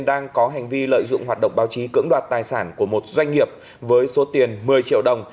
đang có hành vi lợi dụng hoạt động báo chí cưỡng đoạt tài sản của một doanh nghiệp với số tiền một mươi triệu đồng